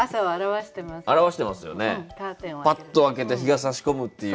パッと開けて日がさし込むっていう。